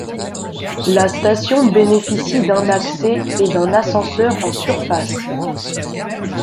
La station bénéficie d'un accès et d'un ascenseur en surface.